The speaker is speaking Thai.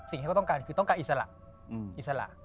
สิ่งที่เขาต้องการคือต้องการอิสระอิสระ